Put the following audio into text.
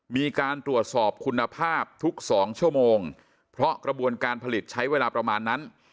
มีการตรวจสอบคุณภาพทุก๒ชั่วโมงเพราะกระบวนการผลิตใช้เวลาประมาณนั้น